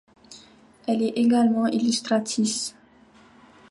Elle est également illustratrice.